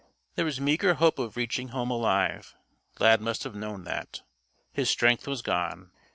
There was meager hope of reaching home alive. Lad must have known that. His strength was gone.